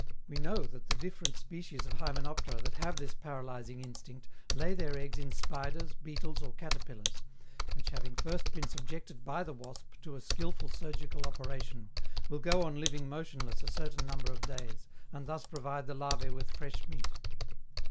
We know that the different species of hymenoptera that have this paralyzing instinct lay their eggs in spiders, beetles or caterpillars, which, having first been subjected by the wasp to a skilful surgical operation, will go on living motionless a certain number of days, and thus provide the larvae with fresh meat.